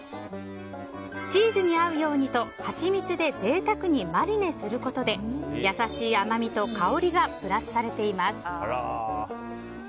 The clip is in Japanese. チーズに合うようにとハチミツで贅沢にマリネすることで優しい甘みと香りがプラスされています。